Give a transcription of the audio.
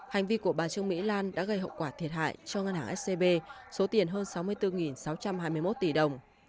hành vi của bà trương mỹ lan đã gây hậu quả thiệt hại cho ngân hàng scb số tiền hơn sáu mươi bốn sáu trăm hai mươi một tỷ đồng